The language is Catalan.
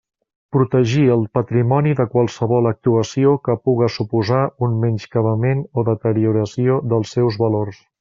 Protegir el patrimoni de qualsevol actuació que puga suposar un menyscabament o deterioració dels seus valors.